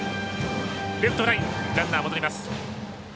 レフトフライ、ランナー戻ります。